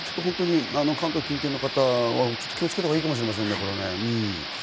関東近県の方、気をつけたほうがいいかもしれませんね。